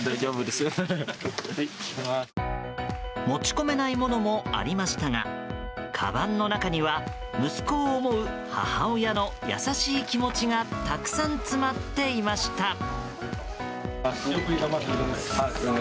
持ち込めないものもありましたがかばんの中には息子を思う母親の優しい気持ちがたくさん詰まっていました。